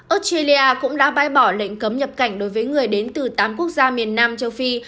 australia cũng đã bãi bỏ lệnh cấm nhập cảnh đối với người đến từ tám quốc gia miền nam châu phi